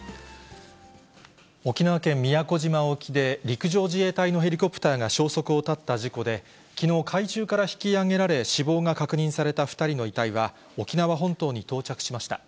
沖縄県宮古島沖で陸上自衛隊のヘリコプターが消息を絶った事故で、きのう、海中から引き上げられ死亡が確認された２人の遺体は、沖縄本島に到着しました。